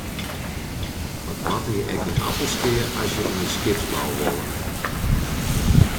Wat moatte je ek yn Appelskea at je yn de skipsbou wolle?